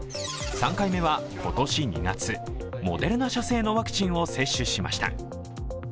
３回目は今年２月、モデルナ社製のワクチンを接種しました。